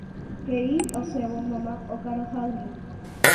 He'i osẽvo mamá okaruhágui.